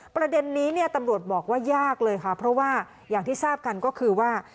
ประเด็นนี้เนี่ยตำรวจบอกว่ายากเลยค่ะเพราะว่าอย่างที่ทราบกันก็คือว่า